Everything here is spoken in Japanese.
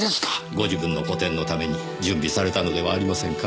ご自分の個展のために準備されたのではありませんか？